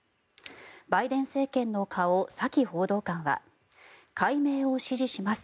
バイデン政権の顔、サキ報道官は改名を支持します